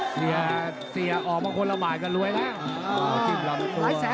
เสียออกมาคนละบ่ายก็รวยแล้ว